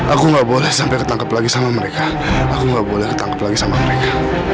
aku nggak boleh sampai ketangkep lagi sama mereka aku nggak boleh ketangkep lagi sama mereka